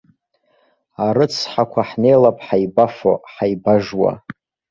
Арыцҳақәа ҳнеилап ҳаибафо, ҳаибажуа.